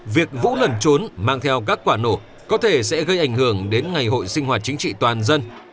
việc vũ lẩn trốn mang theo các quả nổ có thể sẽ gây ảnh hưởng đến ngày hội sinh hoạt chính trị toàn dân